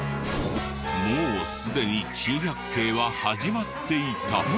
もうすでに珍百景は始まっていた。